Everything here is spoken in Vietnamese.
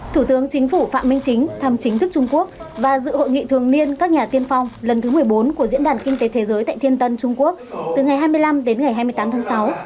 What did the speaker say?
thủ tướng chính phủ phạm minh chính thăm chính thức trung quốc và dự hội nghị thường niên các nhà tiên phong lần thứ một mươi bốn của diễn đàn kinh tế thế giới tại thiên tân trung quốc từ ngày hai mươi năm đến ngày hai mươi tám tháng sáu